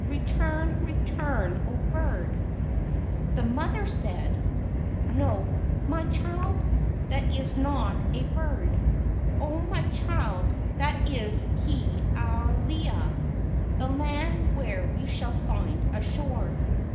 Return, return, O bird!" The mother said: "No, my child, that is not a bird. Oh, my child, that is Ke ao lewa, the land where we shall find a shore."